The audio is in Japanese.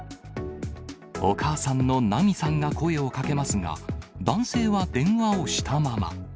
お母さんの奈三さんが声をかけますが、男性は電話をしたまま。